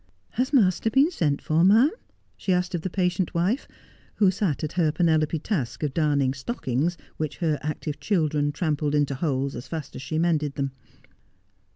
' Has master been sent for, ma'am ?' she asked of the patient wife, who sat at her Penelope task of darning stockings which her active children trampled into holes as fast as she mended them.